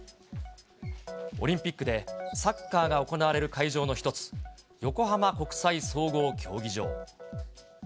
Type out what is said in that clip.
オリンピックでサッカーが行われる会場の一つ、横浜国際総合競技場。